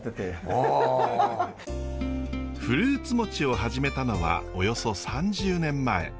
フルーツ餅を始めたのはおよそ３０年前。